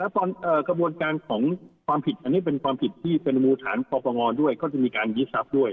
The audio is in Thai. ตอนกระบวนการของความผิดอันนี้เป็นความผิดที่เป็นมูลฐานปปงด้วยก็จะมีการยึดทรัพย์ด้วย